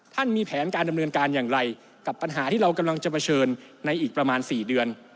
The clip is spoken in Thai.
มีแผนการดำเนินการอย่างไรกับปัญหาที่เรากำลังจะเผชิญในอีกประมาณ๔เดือน